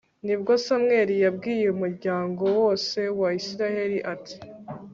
ni bwo samweli abwiye umuryango wose wa israheli, ati